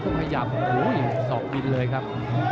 ต้องขยับอีก๒ปีเลยครับ